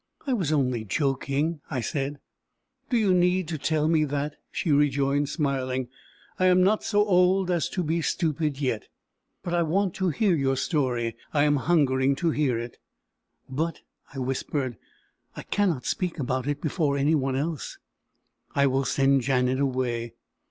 "I was only joking," I said. "Do you need to tell me that?" she rejoined, smiling. "I am not so old as to be stupid yet. But I want to hear your story. I am hungering to hear it." "But," I whispered, "I cannot speak about it before anyone else." "I will send Janet away.